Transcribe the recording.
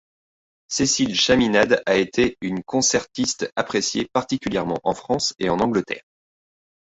Cécile Chaminade a été une concertiste appréciée particulièrement en France et en Angleterre.